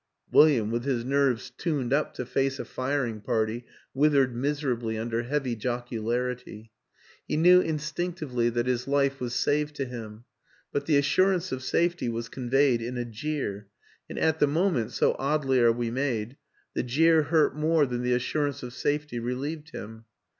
William, with his nerves tuned up to face a firing party, withered miserably under heavy joc ularity. He knew instinctively that his life was saved to him; but the assurance of safety was conveyed in a jeer, and at the moment (so oddly are we made) the jeer hurt more than the assur ance of safety relieved him.